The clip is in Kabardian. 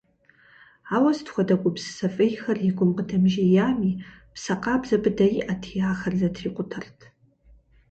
Ауэ сыт хуэдэ гупсысэ фӏейхэр и гум къыдэмыжеями, псэ къабзэ быдэ иӏэти, ахэр зэтрикъутэрт.